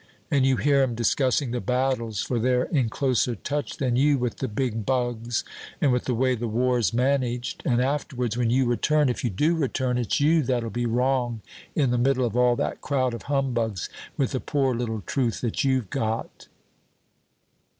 And you hear 'em discussing the battles, for they're in closer touch than you with the big bugs and with the way the war's managed; and afterwards, when you return, if you do return, it's you that'll be wrong in the middle of all that crowd of humbugs, with the poor little truth that you've got.